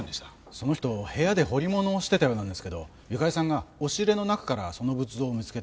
その人部屋で彫り物をしてたようなんですけどゆかりさんが押し入れの中からその仏像を見つけて。